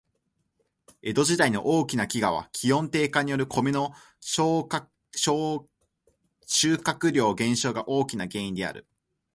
江戸時代の大きな飢饉は、気温低下によるコメの収穫量減少が大きな原因である。